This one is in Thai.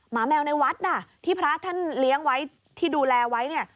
หมาแมวในวัดที่พระท่านเลี้ยงไว้ที่ดูแลไว้